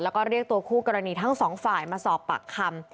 แล้วก็เรียกตัวคู่กรณีทั้งสองฝ่ายมาสอบปากคำ